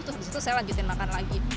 terus disitu saya lanjutin makan lagi